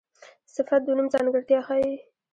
صفت د نوم ځانګړتیا ښيي.